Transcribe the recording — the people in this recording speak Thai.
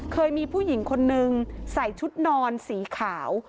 เคยมีผู้หญิงคนนึงใส่ชุดนอนสีขาว